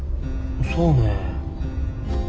そうね。